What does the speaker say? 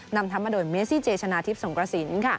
นำทำมาโดยเมซี่เจชนะทิพย์สงกระสิน